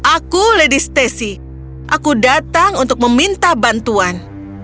aku lady stacy aku datang untuk meminta bantuan